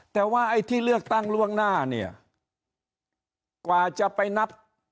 แต่ว่าไอ้ที่เลือกตั้งล่วงหน้าเนี่ยกว่าจะไปนับ